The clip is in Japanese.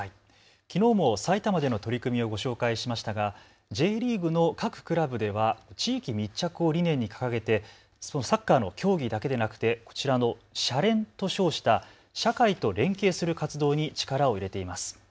きのうも埼玉での取り組みをご紹介しましたがＪリーグの各クラブでは地域密着を理念に掲げてそのサッカーの競技だけでなくてこちらのシャレンと称した社会と連携する活動に力を入れています。